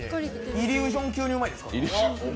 イリュージョン級にうまいです。